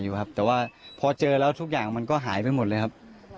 อยู่ครับแต่ว่าพอเจอแล้วทุกอย่างมันก็หายไปหมดเลยครับ